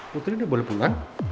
putri udah boleh pulang